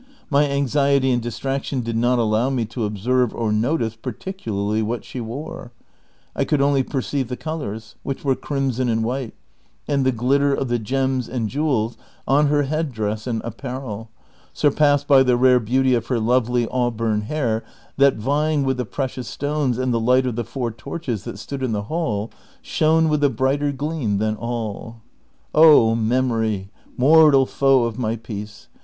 My anxiety and distraction did not allow me to observe or notice par ticularly what she wore ; I could only perceive the colors, which were crimson and white, and the glitter of the gems and jewels on her head dress and apparel, surpassed by the rare beauty of her lovely auburn hair that vying with the precious stones and the light of the four torches that stood in the hall shone with a brighter gleam than all. Oh memory, mortal foe of my jjcace